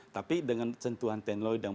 tapi dengan sentuhan teknologi itu lebih beruntung